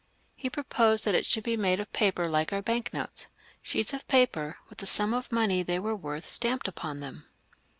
He proposed that it should be made of paper like our bank notes — sheets of paper, with the sum of money they were worth stamped upon them.